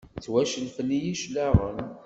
Ttwacellfen-iyi cclaɣem.